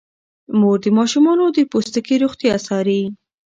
مور د ماشومانو د پوستکي روغتیا څاري.